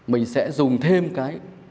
mình sẽ dùng thêm cái